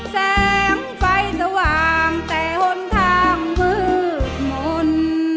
แสงไฟสว่างแต่หนทางมืดมนต์